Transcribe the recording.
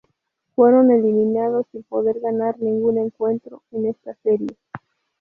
Fueron eliminados sin poder ganar ningún encuentro en estas series.